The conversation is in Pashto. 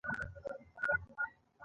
لګښت يې تر سل ميليونو ډالرو زيات دی.